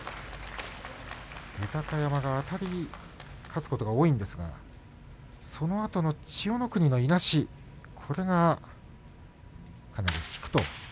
豊山があたり勝つことが多いんですが、そのあとの千代の国のいなし、これがかなり効くと。